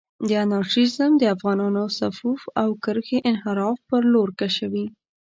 دا انارشېزم د افغانانانو صفوف او کرښې انحراف پر لور کشوي.